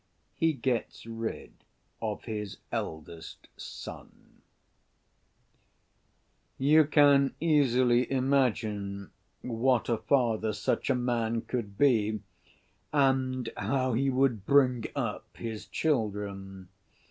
He Gets Rid Of His Eldest Son You can easily imagine what a father such a man could be and how he would bring up his children.